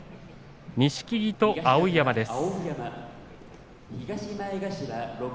錦木と碧山です。